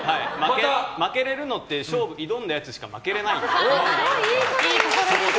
負けれるのって勝負に挑んだやつしか負けれないんで。